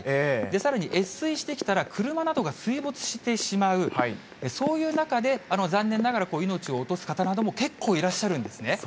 さらに越水してきたら、車などが水没してしまう、そういう中で、残念ながら命を落とす方なども結構、いらっしゃるんですね。